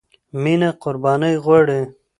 مینه قربانی غواړي.